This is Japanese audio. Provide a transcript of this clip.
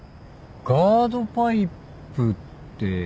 ガードパイプって。